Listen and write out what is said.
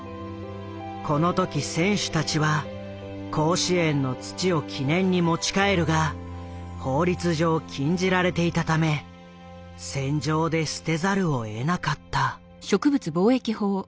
この時選手たちは甲子園の土を記念に持ち帰るが法律上禁じられていたため船上で捨てざるをえなかった。